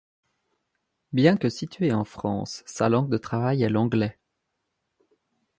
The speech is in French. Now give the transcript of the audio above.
Bien que situé en France, sa langue de travail est l'anglais.